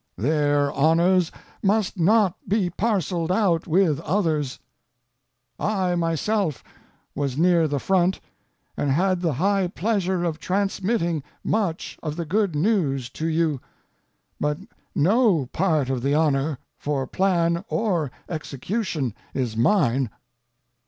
Their honors must not be parcelled out with others. I myself was near the front, and had the high pleasure of transmitting much of the good news to you; but no part of the honor, for plan or execution, is mine.